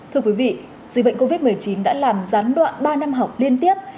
thưa quý vị dịch bệnh covid một mươi chín đã làm gián đoạn ba năm học liên tiếp